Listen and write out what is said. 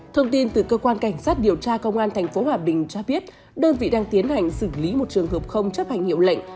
thông tin từ cơ quan cảnh sát điều tra công an tp hòa bình cho biết đơn vị đang tiến hành xử lý một trường hợp không chấp hành hiệu lệnh